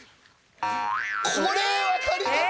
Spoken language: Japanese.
これ分かります？